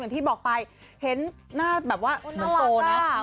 ที่บอกไปเห็นหน้าแบบว่าเหมือนโตนะ